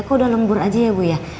kok udah lembur aja ya bu ya